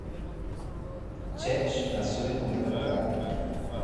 Čech nació y murió en Praga.